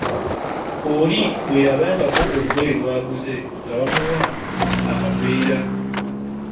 Oli bwe yabangako olugoye lwaguze nga bamuwa akaveera.